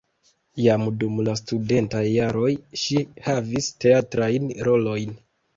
Jam dum la studentaj jaroj ŝi havis teatrajn rolojn.